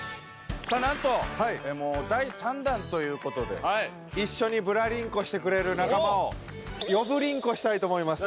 なんと、第３弾ということで、一緒にぶらりんこしてくれる仲間を呼ぶりんこしたいと思います。